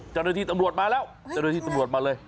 เจ้าหน้าที่ตำรวจมาแล้วเจ้าหน้าที่ตำรวจมาเลย